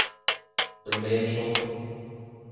Белмәйем шул...